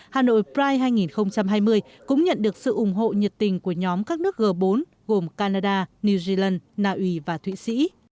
hà nội pride hai nghìn hai mươi cũng nhận được sự ủng hộ nhiệt tình của nhóm các nước g bốn gồm canada new zealand naui và thụy sĩ